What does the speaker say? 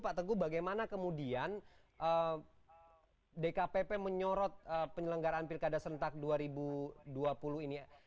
pak teguh bagaimana kemudian dkpp menyorot penyelenggaraan pilkada serentak dua ribu dua puluh ini